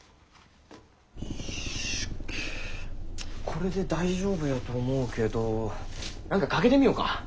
これで大丈夫やと思うけど何かかけてみよか。